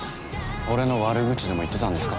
俺の悪口でも言ってたんですか？